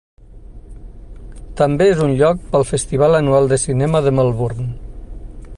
També és un lloc pel festival anual de cinema de Melbourne.